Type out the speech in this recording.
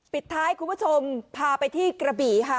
ปิดท้ายคุณผู้ชมพาไปที่กระบี่ค่ะ